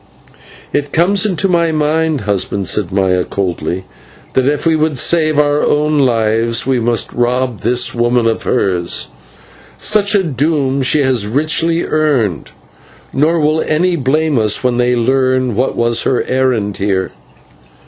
"It comes into my mind, husband," said Maya coldly, "that if we would save our own lives we must rob this woman of hers. Such a doom she has richly earned, nor will any blame us when they learn what was her errand here."